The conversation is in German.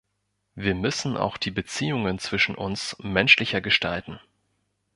Wir müssen auch die Beziehungen zwischen uns menschlicher gestalten.